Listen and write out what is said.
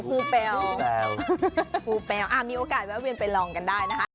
ผู้แปลวผู้แปลวมีโอกาสว่าเวียนไปลองกันได้นะคะ